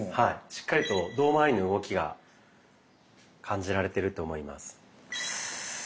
しっかりと胴まわりの動きが感じられてると思います。